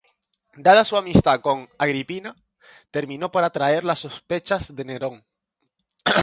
Dada su amistad con Agripina, terminó por atraer las sospechas de Nerón.